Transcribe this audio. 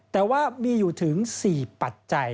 แต่ว่ามีอยู่ถึง๔ปัจจัย